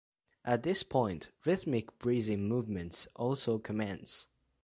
At this point, rhythmic breathing movements also commence.